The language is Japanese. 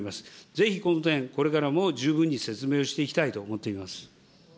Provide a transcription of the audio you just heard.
ぜひこの点、これからも十分に説明をしていきたいと思っています。